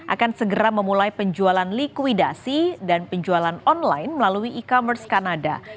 akan segera memulai penjualan likuidasi dan penjualan online melalui e commerce kanada